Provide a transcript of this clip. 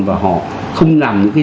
và họ không làm những cái